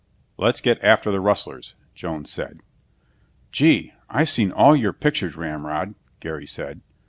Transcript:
Let's get after the rustlers!" Jones said. "Gee, I've seen all your pictures, Ramrod," Gary said.